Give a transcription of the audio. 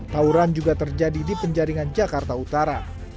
tawuran juga terjadi di penjaringan jakarta utara